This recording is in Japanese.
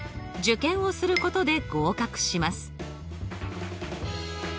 受験をすることで合格します。